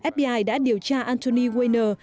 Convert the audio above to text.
fbi đã điều tra anthony weiner